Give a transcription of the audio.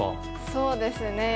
そうですね。